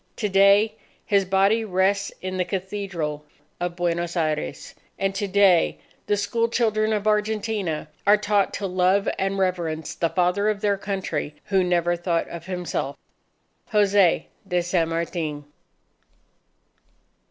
To day, his body rests in the Cathedral of Buenos Aires. And to day the school children of Argentina are taught to love and reverence the Father of their Country who never thought of himself Jose de San Martin.